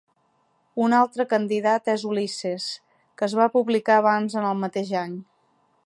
Un altre candidat és "Ulisses", que es va publicar abans en el mateix any.